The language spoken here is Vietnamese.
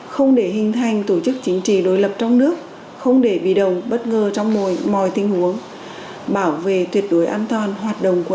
không sử dụng dưỡng khi được phương tiện ăn thông